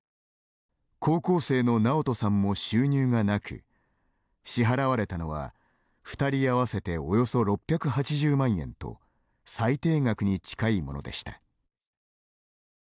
高校生の直人さんも収入がなく支払われたのは、２人合わせておよそ６８０万円と最低額に近いものでした。